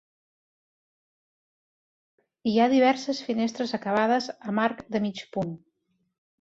Hi ha diverses finestres acabades amb arc de mig punt.